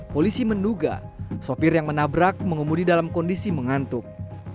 polisi menduga sopir yang menabrak mengemudi dalam kondisi mengantuk